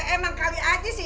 emang kali aja sih